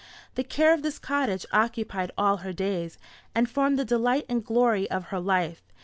The care of this cottage occupied all her days, and formed the delight and glory of her life.